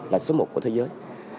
là số một của thế giới